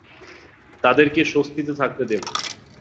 তাদেরকে স্বস্তিতে থাকতে দেব না।